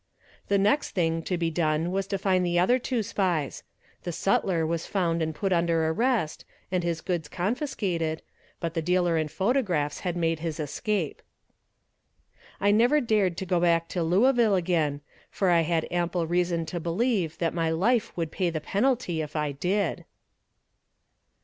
The next thing to be done was to find the other two spies. The sutler was found and put under arrest, and his goods confiscated, but the dealer in photographs had made his escape. I never dared go back to Louisville again, for I had ample reason to believe that my life would pay the penalty if I did.